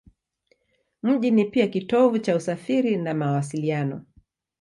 Mji ni pia kitovu cha usafiri na mawasiliano.